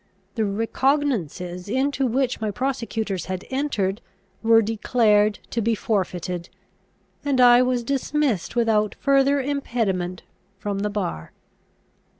The recognizances into which my prosecutors had entered were declared to be forfeited; and I was dismissed without further impediment from the bar.